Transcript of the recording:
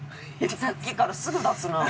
さっきからすぐ出すなあ。